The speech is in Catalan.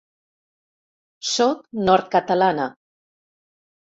Sóc nord-catalana.